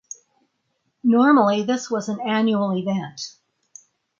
Normally this was an annual event.